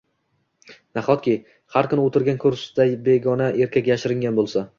Nahotki, har kuni o`tirgan kursisida begona erkak yashiringan bo`lsa